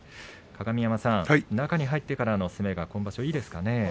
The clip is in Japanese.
鏡山さん中に入ってからの攻めが今場所いいですかね？